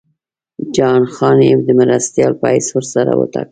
جهان خان یې د مرستیال په حیث ورسره وټاکه.